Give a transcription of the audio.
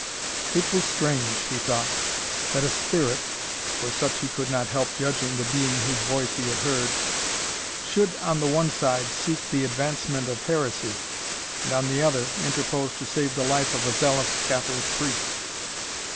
"It was strange," he thought, "that a spirit," for such he could not help judging the being whose voice he had heard, "should, on the one side, seek the advancement of heresy, and, on the other, interpose to save the life of a zealous Catholic priest."